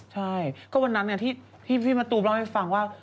ใช่ก็วันนั้นที่พี่มะตูมเล่าให้ฟังว่า